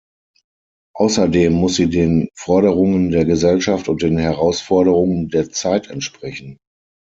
Außerdem muss sie den Forderungen der Gesellschaft und den Herausforderungen der Zeit entsprechen.